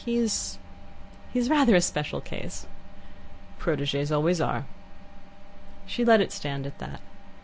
He he's rather a special case." "Proteges always are." She let it stand at that.